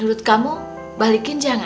wah ada tamu istimewa rupanya